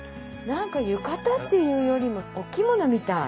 何か浴衣っていうよりもお着物みたい。